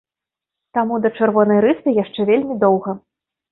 Таму да чырвонай рысы яшчэ вельмі доўга.